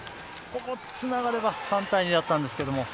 ここつながれば３−２だったんですけど。